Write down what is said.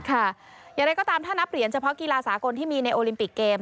อย่างไรก็ตามถ้านับเหรียญเฉพาะกีฬาสากลที่มีในโอลิมปิกเกม